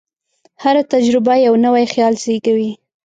هره تجربه یو نوی خیال زېږوي.